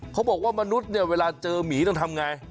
เขาบอกว่ามนุษย์เนี่ยเวลาเจอหมีต้องทำไง